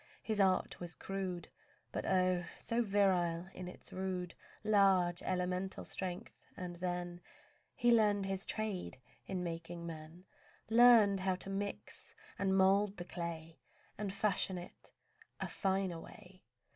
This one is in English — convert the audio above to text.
His art was crude, But oh! so virile in its rude, Large, elemental strength; and then He learned His trade in making men, Learned how to mix and mould the clay And fashion in a finer way.